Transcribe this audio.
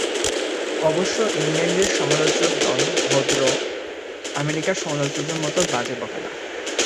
অবশ্য ইংলণ্ডের সমালোচকগণ ভদ্র, আমেরিকার সমালোচকদের মত বাজে বকে না।